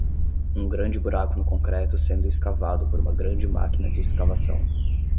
Um grande buraco no concreto sendo escavado por uma grande máquina de escavação.